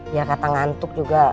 ya kata ngantuk juga